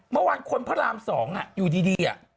เมื่อวานคนพระราม๒อยู่ดี